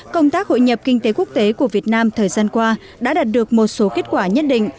công tác hội nhập kinh tế quốc tế của việt nam thời gian qua đã đạt được một số kết quả nhất định